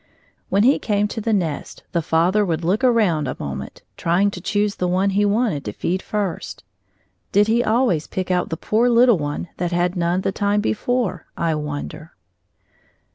When he came to the nest, the father would look around a moment, trying to choose the one he wanted to feed first. Did he always pick out the poor little one that had none the time before, I wonder?